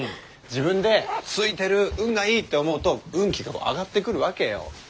自分でついてる運がいい！って思うと運気が上がってくるわけよ。